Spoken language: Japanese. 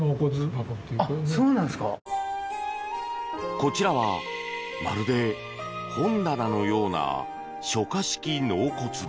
こちらは、まるで本棚のような書架式納骨堂。